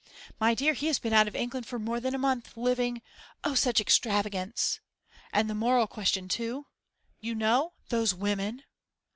My dear, he has been out of England for more than a month, living oh, such extravagance! And the moral question, too? You know those women!